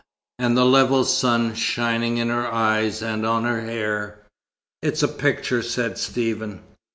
And the level sun shining in her eyes, and on her hair." "It is a picture," said Stephen.